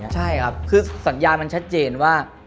ใช่คือสัญญาณมันชัดเจนว่า